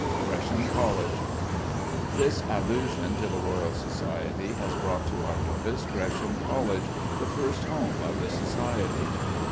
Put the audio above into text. GRESHAM COLLEGE. This allusion to the Royal Society has brought to our notice Gresham College, the first home of the Society.